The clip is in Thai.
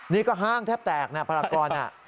นี่ก็ห้างแทบแตกนะภารกร